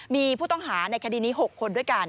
มีผู้ต้องหาในคดีนี้๖คนด้วยกัน